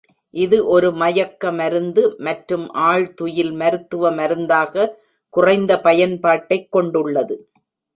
இது ஒரு மயக்க மருந்து மற்றும் ஆழ்துயில் மருத்துவ மருந்தாக குறைந்த பயன்பாட்டைக் கொண்டுள்ளது.